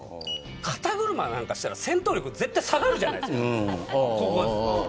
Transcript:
肩車なんかしたら戦闘力下がるじゃないですか。